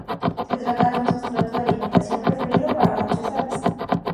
Se trata de un sustrato de alimentación preferido para muchas aves.